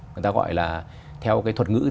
người ta gọi là theo cái thuật ngữ